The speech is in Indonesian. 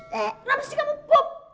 kenapa sih kamu pup